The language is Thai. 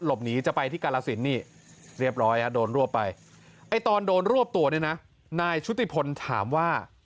หนีจะไปที่กาลสินนี่เรียบร้อยโดนรวบไปไอ้ตอนโดนรวบตัวเนี่ยนะนายชุติพลถามว่า